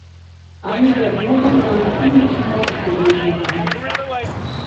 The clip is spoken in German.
Eine der Bohlen soll „ziemlich morsch“ gewesen sein.